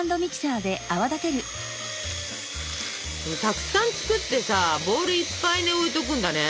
たくさん作ってさボールいっぱいに置いとくんだね。